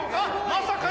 まさかの。